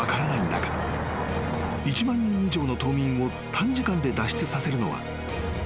中１万人以上の島民を短時間で脱出させるのはほぼ不可能な状況］